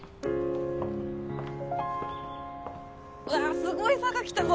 うわぁすごい坂来たぞ！